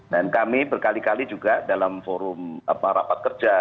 kami berkali kali juga dalam forum rapat kerja